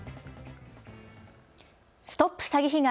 ＳＴＯＰ詐欺被害！